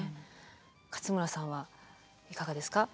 勝村さんはいかがですか？